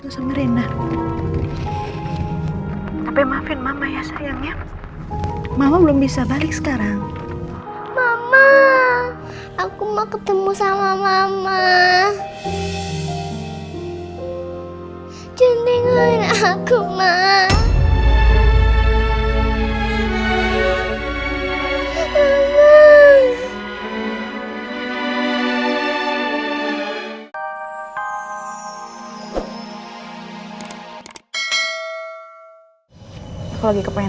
sampai jumpa di video selanjutnya